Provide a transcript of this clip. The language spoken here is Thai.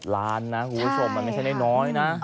ล้านนะคุณผู้ชมมันไม่ใช่น้อยนะ